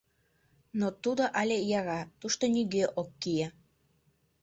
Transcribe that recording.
Но тудо але яра, тушто нигӧ ок кие.